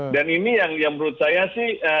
dan ini yang menurut saya sih